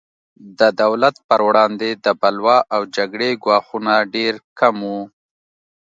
د دولت پر وړاندې د بلوا او جګړې ګواښونه ډېر کم وو.